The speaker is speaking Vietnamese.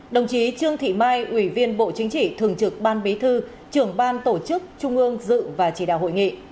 đồng chí trương thị mai ủy viên bộ chính trị thường trực ban bí thư trưởng ban tổ chức trung ương dự và chỉ đạo hội nghị